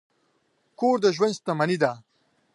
کور د ژوند شتمني ده.